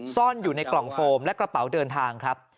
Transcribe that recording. ซ่อนอยู่ในกล่องโฟมและกระเป๋าเดินทางครับ